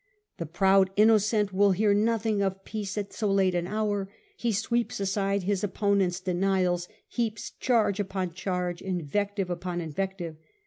The proud Innocent will hear nothing of peace at so late an hour : he sweeps aside his opponents' denials, heaps charge upon charge, invective upon in vective.